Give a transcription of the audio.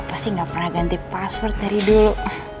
apa sih nggak pernah ganti password dari dulu